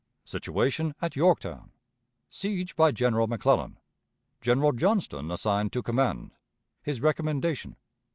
Situation at Yorktown. Siege by General McCellan. General Johnston assigned to Command; his Recommendation.